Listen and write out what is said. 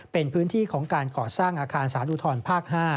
เป็นพื้นที่ของการก่อสร้างอาคารสารอุทธรภาค๕